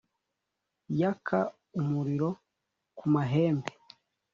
Yaka umuriro ku mahembe